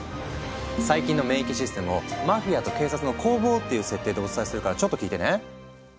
細菌の免疫システムをマフィアと警察の攻防っていう設定でお伝えするからちょっと聞いてね。